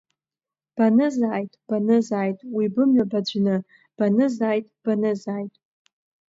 Банызааит, банызааит, уи бымҩа баӡәны, банызааит, банызааит.